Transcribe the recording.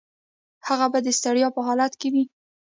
هغه به د ستړیا په حالت کې وي.